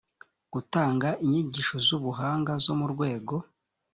gutanga inyigisho z ubuhanga zo mu rwego